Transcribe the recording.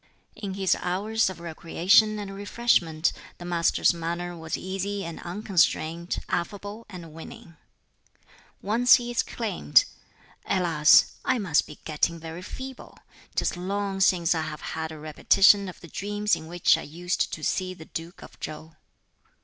In his hours of recreation and refreshment the Master's manner was easy and unconstrained, affable and winning. Once he exclaimed, "Alas! I must be getting very feeble; 'tis long since I have had a repetition of the dreams in which I used to see the Duke of Chow.